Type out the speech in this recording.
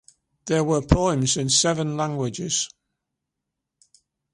There were poems in seven languages.